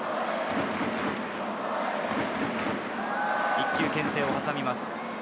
１球けん制をはさみます。